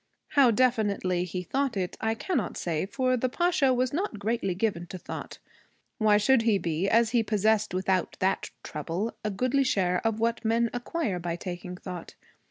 How definitely he thought it, I cannot say, for the Pasha was not greatly given to thought. Why should he be, as he possessed without that trouble a goodly share of what men acquire by taking thought?